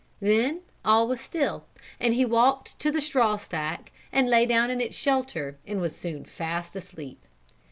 Then all was still and he walked to the straw stack and lay down in its shelter and was soon fast asleep.